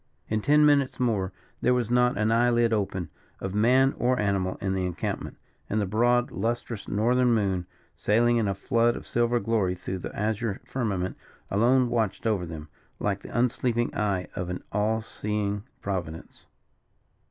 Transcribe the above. In ten minutes more there was not an eyelid open, of man or animal, in the encampment; and the broad, lustrous, Northern moon, sailing in a flood of silver glory through the azure firmament, alone watched over them, like the unsleeping eye of an all seeing Providence.